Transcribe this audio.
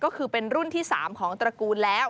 ก็คือเป็นรุ่นที่๓ของตระกูลแล้ว